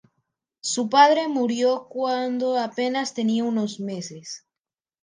Su padre murió cuando apenas tenía unos meses.